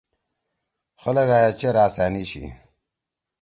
خلقغائے چیر أسانی چھی۔